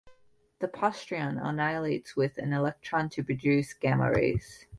The positron annihilates with an electron to produce gamma rays.